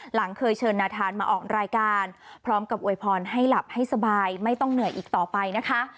หลังเคยเชิญนาธานมาออกรายการพร้อมกับอวยพรให้หลับให้สบายไม่ต้องเหนื่อยอีกต่อไปนะคะ